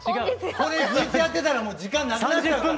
これずっとやってたら時間なくなっちゃうから。